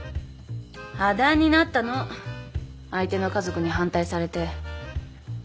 破談になったの相手の家族に反対されて